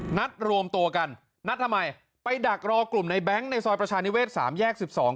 นัดรวมตัวกันนัดทำไมไปดักรอกลุ่มในแบงค์ในซอยประชานิเวศสามแยก๑๒